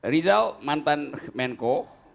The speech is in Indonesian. rizal mantan menko